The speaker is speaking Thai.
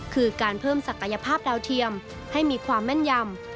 คือการเพิ่มศักยภาพดาวเทียมให้มีความแม่นยำ